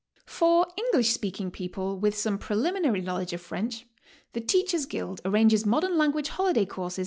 For English speaking people with some preliminary knowledge of French, the Teachers' Guild arranges Modern Language Holiday Courses